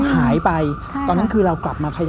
หายไปตอนนั้นคือเรากลับมาขยะ